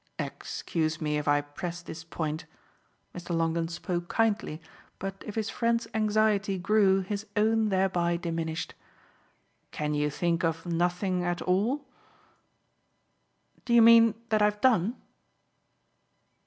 "Excuse me if I press this point." Mr. Longdon spoke kindly, but if his friend's anxiety grew his own thereby diminished. "Can you think of nothing at all?" "Do you mean that I've done?"